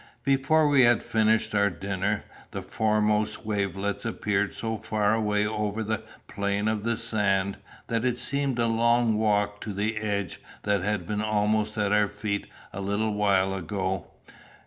Before we had finished our dinner, the foremost wavelets appeared so far away over the plain of the sand, that it seemed a long walk to the edge that had been almost at our feet a little while ago.